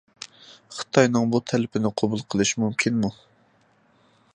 خىتاينىڭ بۇ تەلىپىنى قوبۇل قىلىش مۇمكىنمۇ!